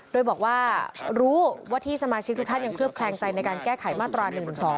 โดยบอกว่ารู้ว่าที่สมาชิกทุกท่านยังเคลือบแคลงใจในการแก้ไขมาตรา๑๑๒